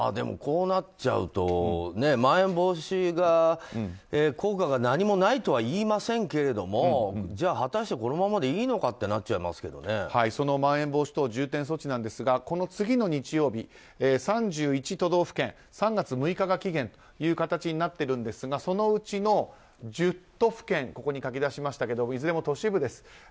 こうなっちゃうとまん延防止が効果が何もないとは言いませんけどじゃあ、果たしてこのままでいいのかってそのまん延防止等重点措置なんですがこの次の日曜日、３１都道府県３月６日が期限という形になっているんですがそのうちの１０都府県ここに書き出しましたがいずれも都市部です。